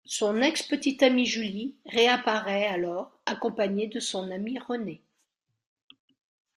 Son ex-petite amie Julie réapparaît alors, accompagnée de son amie Renee...